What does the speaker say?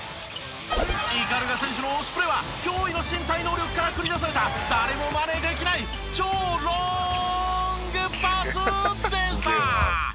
鵤選手の推しプレは驚異の身体能力から繰り出された誰もマネできない超ローングパスでした！